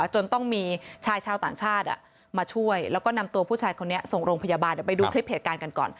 จนต้องมีชายชาวต่างชาติมาช่วยแล้วก็นำตัวผู้ชายคนนี้ส่งโรงพยาบาลเดี๋ยวไปดูคลิปเหตุการณ์กันก่อน